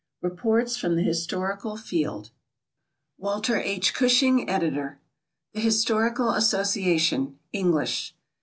Reports from the Historical Field WALTER H. CUSHING, Editor. THE HISTORICAL ASSOCIATION (ENGLISH).